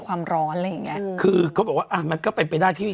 คือเค้าบอกว่ามันก็เป็นไปได้ที่